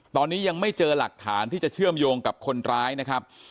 ตอนนี้ยังไม่เจอหลักฐานที่จะเชื่อมโยงกับคนร้ายนะครับ